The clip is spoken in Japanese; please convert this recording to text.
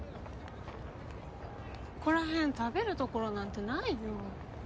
ここら辺食べるところなんてないよ。